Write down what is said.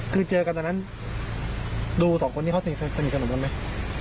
คือเจอกันตอนนั้นดูสองคนนี้เขาสนิทสนมกันไหม